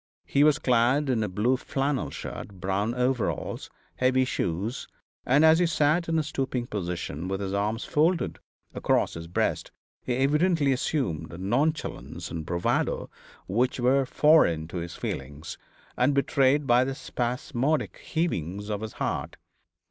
He was clad in a blue flannel shirt, brown overalls, heavy shoes, and, as he sat in a stooping position, with his arms folded across his breast, he evidently assumed a nonchalance and bravado which were foreign to his feelings, and betrayed by the spasmodic heavings of his heart.